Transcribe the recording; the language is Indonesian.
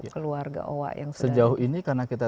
keluarga owa yang sejauh ini karena kita